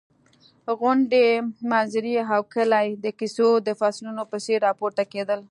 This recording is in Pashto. غونډۍ، منظرې او کلي د کیسو د فصلونو په څېر راپورته کېدل.